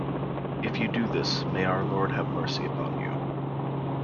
If you do this, may our Lord have mercy upon you.